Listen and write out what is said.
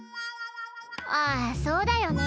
あそうだよね。